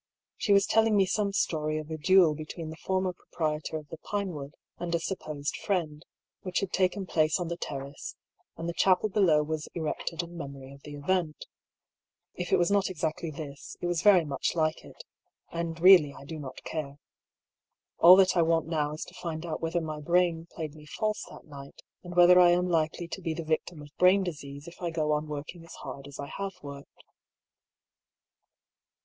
She was telling me some story of a duel between the former proprietor of the Pinewood and a supposed friend, which had taken place on the terrace, and the chapel below was erected in memory of the event. If it was not exactly this, it was very much like it; and really I do not care. All that I want now is to find out whether my brain played me false that night, and whether I am likely to be the victim of brain disease if I go on working as hard as I have worked.